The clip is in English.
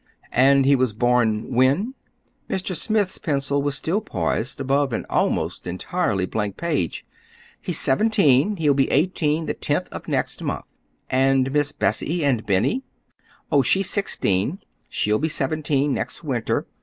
"And he was born, when?" Mr. Smith's pencil still poised above an almost entirely blank page. "He's seventeen. He'll be eighteen the tenth of next month." "And Miss Bessie, and Benny?" "Oh, she's sixteen. She'll be seventeen next winter.